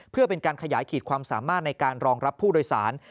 เพื่อเป็นการขยายขีดความสามารถในการรองรับผู้โดยสาร